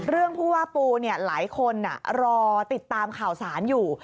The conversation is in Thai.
ผู้ว่าปูหลายคนรอติดตามข่าวสารอยู่